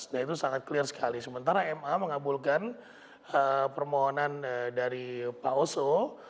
nah itu sangat clear sekali sementara ma mengabulkan permohonan dari pak oso